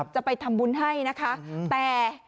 จะไปทำบุญให้นะคะแต่